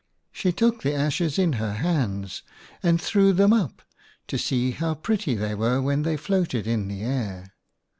She took the ashes in her hands and threw them up to see how pretty they were when they floated in the air.